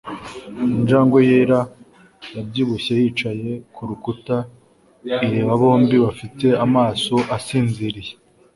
Injangwe yera yabyibushye yicaye kurukuta ireba bombi bafite amaso asinziriye